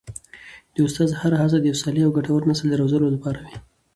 د استاد هره هڅه د یو صالح او ګټور نسل د روزلو لپاره وي.